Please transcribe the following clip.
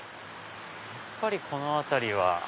やっぱりこの辺りは。